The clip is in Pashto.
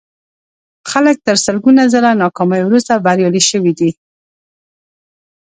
خلک تر سلګونه ځله ناکاميو وروسته بريالي شوي دي.